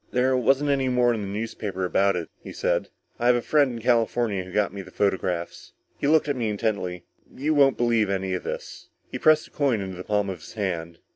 "There wasn't any more in the newspapers about it," he said. "I have a friend in California who got me the photographs." _He looked at me intently. "You won't believe any of this." He pressed the coin into the palm of his hand.